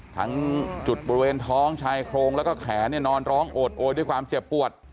ทั้งจุดบริเวณท้องชายโครงแล้วก็แขนนอนร้องโอดโอยด้วยความเจ็บปวด